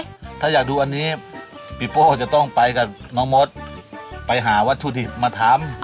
ถ้าอยากดูอันนี้ปีโป้จะต้องไปกับน้องมดไปหาวัตถุดิบมาทำ